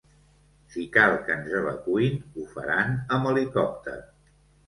Si cal que ens evacuïn ho faran amb helicòpter.